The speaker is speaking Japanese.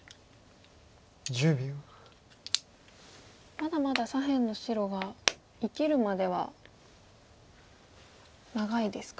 まだまだ左辺の白が生きるまでは長いですか。